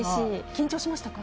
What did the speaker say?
緊張しましたか？